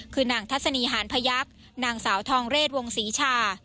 คือนางทัศนีหานพยักษ์นางสาวทองเรศวงศรีชา